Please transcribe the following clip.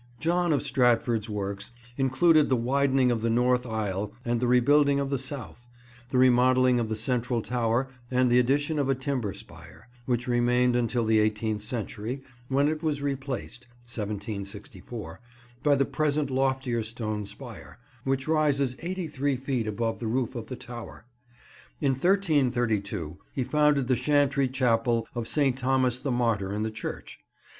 John of Stratford's works included the widening of the north aisle and the rebuilding of the south; the remodelling of the central tower and the addition of a timber spire, which remained until the eighteenth century, when it was replaced (1764) by the present loftier stone spire, which rises eighty three feet above the roof of the tower. In 1332 he founded the chantry chapel of St. Thomas the Martyr in the church.